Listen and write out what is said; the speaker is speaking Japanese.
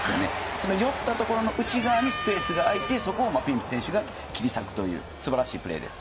つまり寄ったところの内側にスペースが空いて、そこをマピンピ選手が切り裂くという素晴らしいプレーです。